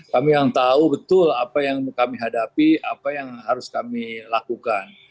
kami yang tahu betul apa yang kami hadapi apa yang harus kami lakukan